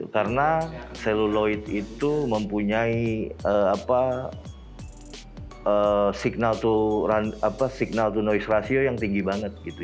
karena seluloid itu mempunyai signal to noise ratio yang tinggi banget gitu